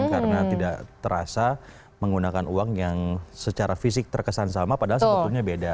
karena tidak terasa menggunakan uang yang secara fisik terkesan sama padahal sebetulnya beda